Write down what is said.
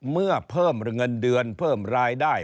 เมื่อเพิ่มเงินเดือนเพิ่มรายได้